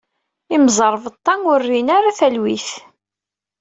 Imẓerbeḍḍa ur rin ara talwit.